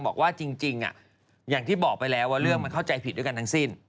บอกว่าจริงอย่างที่บอกไปแล้วว่าเรื่องมันเข้าใจผิดด้วยกันทั้งสิ้น